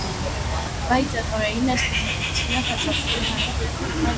Բայց այդ օրերին այս մասնագիտությունը հազվադեպ էր հանդիպում։